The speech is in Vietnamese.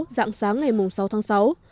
dạng sáng ngày sáu tháng sáu